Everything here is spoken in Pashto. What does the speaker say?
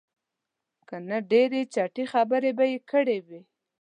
که نه ډېرې چټي خبرې به یې کړې وې.